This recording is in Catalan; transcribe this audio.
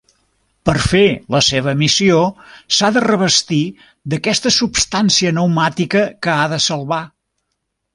Per fer la seva missió s'ha de revestir d'aquesta substància pneumàtica que ha de salvar.